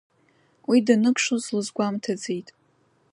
Уи даныкшоз лызгәамҭаӡеит.